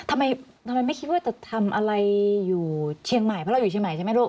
ทำไมทำไมไม่คิดว่าจะทำอะไรอยู่เชียงใหม่เพราะเราอยู่เชียงใหม่ใช่ไหมลูก